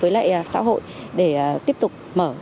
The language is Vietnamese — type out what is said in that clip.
với lại xã hội để tiếp tục mở